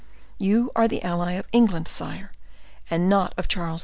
You are the ally of England, sire, and not of Charles II.